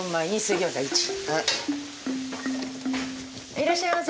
いらっしゃいませ。